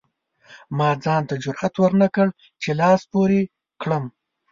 ما ځان ته جرئت ورنکړ چې لاس پورې کړم.